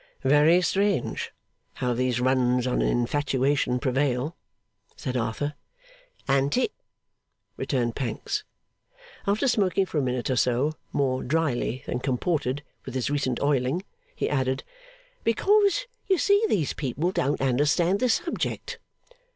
'Very strange how these runs on an infatuation prevail,' said Arthur. 'An't it?' returned Pancks. After smoking for a minute or so, more drily than comported with his recent oiling, he added: 'Because you see these people don't understand the subject.